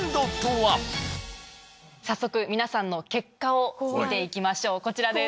早速皆さんの結果を見て行きましょうこちらです。